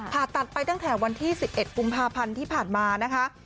ผ่าตัดไปตั้งแต่วันที่๑๑กุมภาพันธ์ที่ผ่านมานะคะ